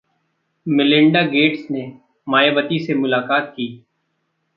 Melinda Gates ने मायावती से मुलाकात की